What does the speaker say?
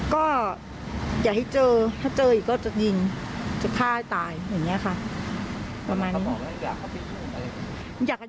ก็อย่าให้เจอถ้าเจออีกก็จะยิงจะฆ่าตายอย่างเงี้ยค่ะประมาณนี้